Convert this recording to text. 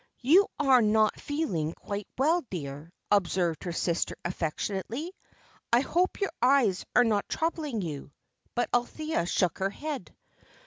"You are not feeling quite well, dear," observed her sister, affectionately. "I hope your eyes are not troubling you." But Althea shook her head.